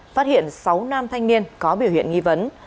phát hiện sáu nam thanh niên có biểu hiện nghi vấn